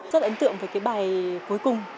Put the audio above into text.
rất ấn tượng với cái bài cuối cùng